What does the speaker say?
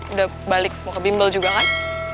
udah balik mau ke bimbel juga kan